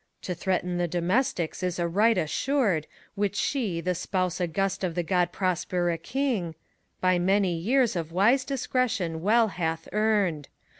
To threaten the domestics is a right assured, Which she, the spouse august of the Grod prospere king, By many years of wise discretion well hath earned.